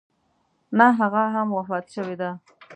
نه هغه هم وفات شوې ده.